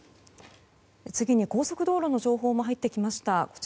次に高速道路の情報も入ってきました。